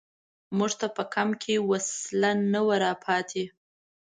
موږ ته په کمپ کې وسله نه وه را پاتې.